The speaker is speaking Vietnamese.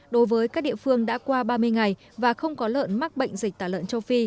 đối với các địa phương đã qua ba mươi ngày và không có lợn mắc bệnh dịch tả lợn châu phi